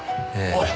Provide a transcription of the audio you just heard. おい！